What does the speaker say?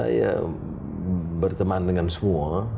saya berteman dengan semua